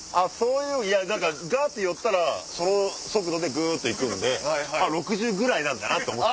何かガッて寄せたらその速度でグっと行くんで６０ぐらいなんだなと思って。